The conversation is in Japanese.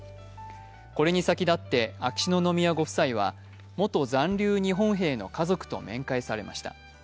これに先立って、秋篠宮ご夫妻は元残留日本兵の家族と面会されました。